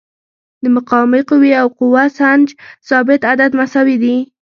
د مقاومې قوې او قوه سنج ثابت عدد مساوي دي.